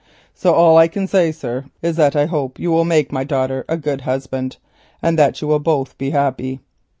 So all I can say, sir, is that I hope you will make my daughter a good husband, and that you will both be happy.